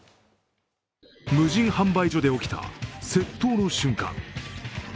無人販売所で起きた窃盗の瞬間。